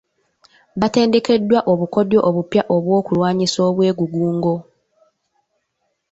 Baatendekebwa obukodyo obupya obw'okulwanyisa obwegugungo